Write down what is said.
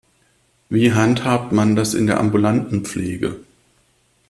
Wie handhabt man das in der ambulanten Pflege?